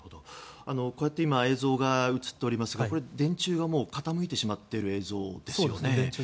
こうやって映像が映っておりますが電柱が傾いてしまっている映像ですよね。